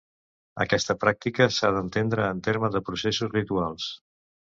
Aquesta pràctica s'ha d'entendre en terme de processos rituals.